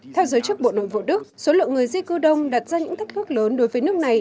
theo giới chức bộ nội vụ đức số lượng người di cư đông đặt ra những thách thức lớn đối với nước này